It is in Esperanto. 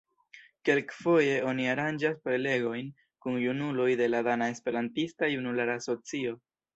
Kelkfoje oni aranĝas prelegojn kun junuloj de la Dana Esperantista Junulara Asocio.